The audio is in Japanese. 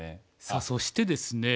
さあそしてですね